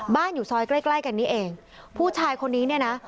อยู่ซอยใกล้ใกล้กันนี้เองผู้ชายคนนี้เนี่ยนะ